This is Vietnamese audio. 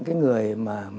cái người mà đã trách em